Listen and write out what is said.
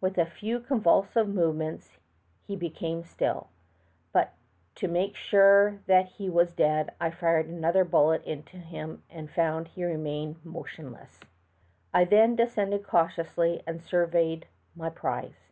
With a few con vulsive move ments he be came still, but to make sure that he was dead I fired another bullet into him, and found he remained motionless. Then I descended cautiously and surveyed my prize.